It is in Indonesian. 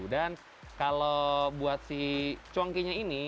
dan kalau buat si cuankinya ini